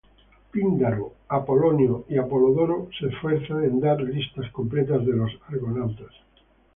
Píndaro, Apolonio y Apolodoro se esforzaron en dar listas completas de los Argonautas.